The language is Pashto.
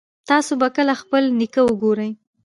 تاسو به کله خپل نیکه وګورئ